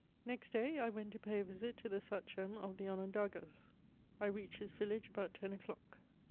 Next day I went to pay a visit to the Sachem of the Onon dagas : I reached his village about ten o'clock.